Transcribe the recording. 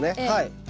はい。